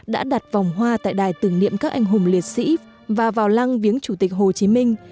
đã đặt vòng hoa tại đài tưởng niệm các anh hùng liệt sĩ và vào lăng viếng chủ tịch hồ chí minh